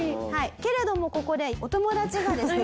けれどもここでお友達がですね